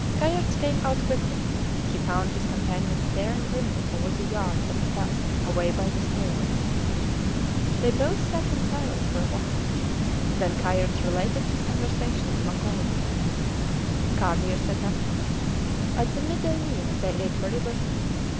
Kayerts came out quickly. He found his companion staring grimly over the yard at the tusks, away by the store. They both sat in silence for a while. Then Kayerts related his conversation with Makola. Carlier said nothing. At the midday meal they ate very little.